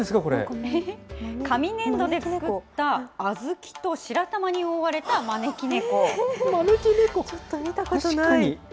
紙粘土で作った小豆と白玉に招き猫。